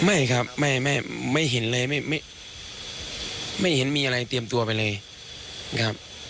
ไม่ครับไม่เห็นเลยไม่เห็นมีอะไรเตรียมตัวไปเลยนะครับ